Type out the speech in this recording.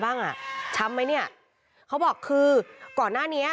บ้างอ่ะช้ำไหมเนี่ยเขาบอกคือก่อนหน้านี้